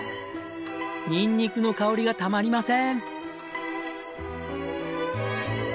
ニンニクの香りがたまりません。